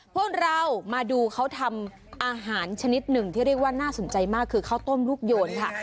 พวกเรามาดูเขาทำอาหารชนิดหนึ่งที่เรียกว่าน่าสนใจมากคือข้าวต้มลูกโยนค่ะ